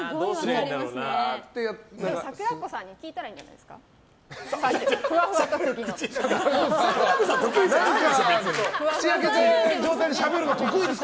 さくらこさんに聞いたらいいんじゃないですか？